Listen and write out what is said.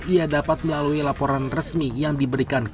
ia dapat melalui laporan resmi yang diberikan